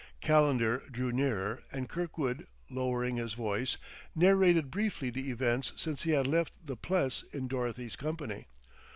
Calendar drew nearer and Kirkwood, lowering his voice, narrated briefly the events since he had left the Pless in Dorothy's company.